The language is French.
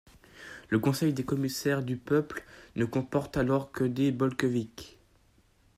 Le Conseil des commissaires du peuple ne comporte alors que des bolcheviks.